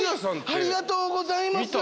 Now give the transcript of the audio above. ありがとうございます。